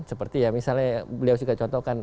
seperti ya misalnya beliau juga contohkan